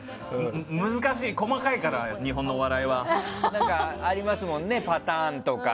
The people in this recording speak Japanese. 難しい、細かいから日本のお笑いは。ありますもんね、パターンとか。